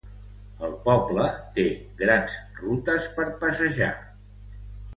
El poble té grans rutes per passejar.